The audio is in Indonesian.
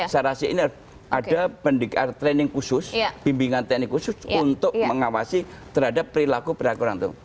saya rasa ini ada pendekar training khusus bimbingan tni khusus untuk mengawasi terhadap perilaku perilaku orang itu